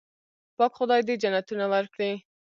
پاک خدای دې جنتونه ورکړي.